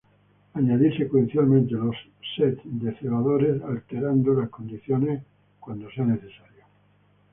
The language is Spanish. Añadir Secuencialmente los sets de Cebadores, alterando las condiciones como sea necesario.